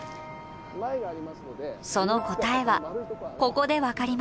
その答えはここで分かります。